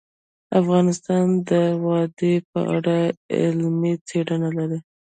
افغانستان د وادي په اړه علمي څېړنې لري.